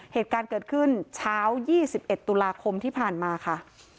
เหตุการณ์เกิดขึ้นเช้า๒๑ตุลาคมที่ผ่านมาค่ะ